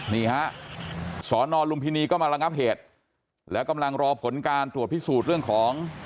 นี่ฮะสอนอลุมพินีก็มาระงับเหตุแล้วกำลังรอผลการตรวจพิสูจน์เรื่องของ